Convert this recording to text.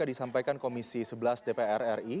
disampaikan komisi sebelas dpr ri